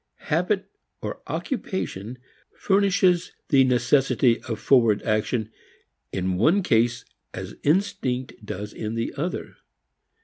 Habit, occupation, furnishes the necessity of forward action in one case as instinct does in the other.